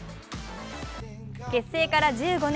結成から１５年。